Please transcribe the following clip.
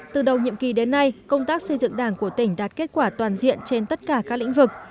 từ đầu nhiệm kỳ đến nay công tác xây dựng đảng của tỉnh đạt kết quả toàn diện trên tất cả các lĩnh vực